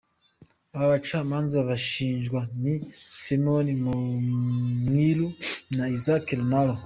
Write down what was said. Abo bacamanza bashinjwa ni Philemona Mwilu na Isaac Lenaola.